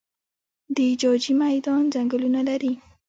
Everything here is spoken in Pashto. د جاجي میدان ځنګلونه لري